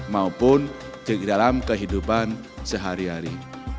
maupun dalam kehidupan sehari hari